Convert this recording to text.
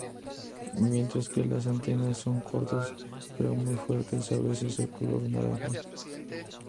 Mientras que las antenas son cortas pero muy fuertes, a veces de color naranja.